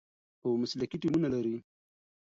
او مسلکي ټیمونه لري،